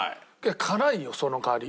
辛いよその代わり。